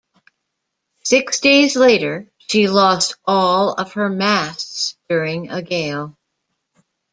Six days later she lost all of her masts during a gale.